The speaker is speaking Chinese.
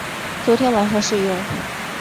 昨天晚上试用